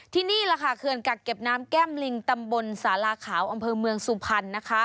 ที่นี่คือกัดเก็บน้ำแก้มลิงตำบลสาราขาวอำเภอเมืองสุพรรณ